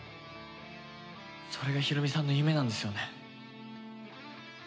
それがヒロミさんの夢なんですよね？